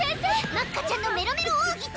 まっかちゃんのメロメロ奥義とは？